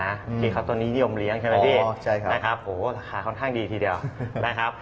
คุณคิงเขาตัวนี้ยอมเลี้ยงใช่ไหมดิโหราคาค่อนข้างดีทีเดียวนะครับ